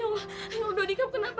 ya allah dodi kamu kenapa